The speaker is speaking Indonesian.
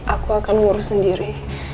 aku akan ngurus sendiri